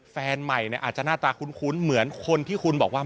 แฟนใหม่เนี่ยอาจจะหน้าตาคุ้นเหมือนคนที่คุณบอกว่า